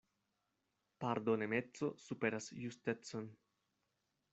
Pardonemeco superas justecon.